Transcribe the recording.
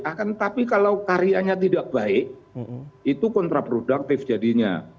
akan tapi kalau karyanya tidak baik itu kontraproduktif jadinya